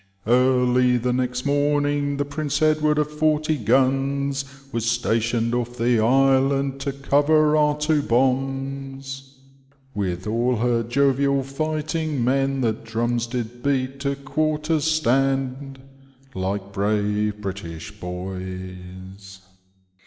243 " Early the next morning the Prince Edward of forty guns Was 8tation*d off the island, to coyer our two hombs ; With all her jovial fighting men, The drums did beat, to quarters stand, Like brave British boys.